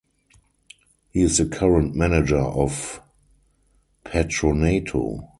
He is the current manager of Patronato.